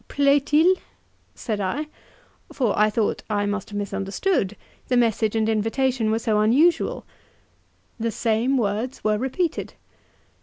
"Plait il?" said I, for I thought I must have misunderstood, the message and invitation were so unusual; the same words were repeated.